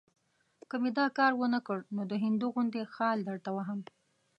که مې دا کار ونه کړ، نو د هندو غوندې خال درته وهم.